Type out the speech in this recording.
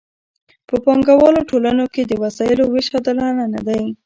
په پانګوالو ټولنو کې د وسایلو ویش عادلانه نه دی.